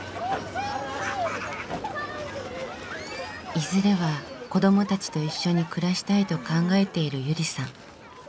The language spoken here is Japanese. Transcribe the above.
いずれは子どもたちと一緒に暮らしたいと考えているゆりさん。